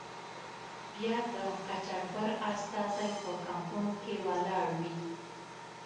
بیا د قاچاقبر استازی په کمپونو کې ولاړ وي.